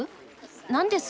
何です？